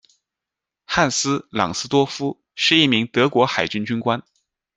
汉斯·朗斯多夫是一名德国海军军官。